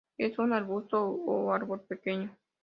Es un arbusto o árbol pequeño.